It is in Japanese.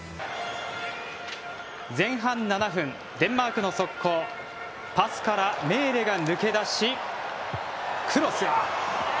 前半７分、デンマークの速攻パスからメーレが抜け出しクロス。